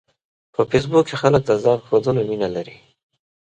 په فېسبوک کې خلک د ځان ښودلو مینه لري